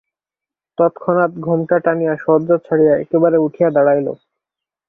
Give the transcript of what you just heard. তৎক্ষণাৎ ঘোমটা টানিয়া শয্যা ছাড়িয়া একেবারে উঠিয়া দাঁড়াইল।